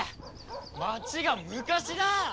街が昔だ！